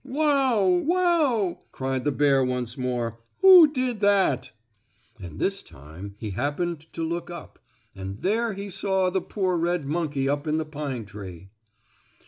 "Wow! Wow!" cried the bear once more. "Who did that?" And this time he happened to look up, and there he saw the poor red monkey up in the pine tree.